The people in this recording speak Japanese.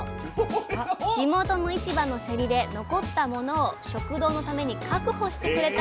地元の市場のセリで残ったものを食堂のために確保してくれたんです。